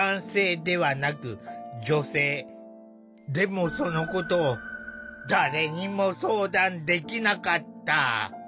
でもそのことを誰にも相談できなかった。